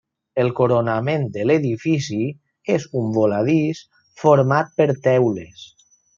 El coronament de l'edifici és un voladís format per teules.